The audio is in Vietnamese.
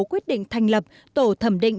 quyết định thành lập tổ thẩm định